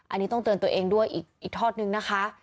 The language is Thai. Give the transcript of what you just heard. อันนี้ต้องเตือนตัวเองด้วยอีกทอดนึงนะคะ